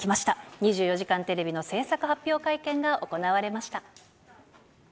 ２４時間テレビの制作発表会見が行われました。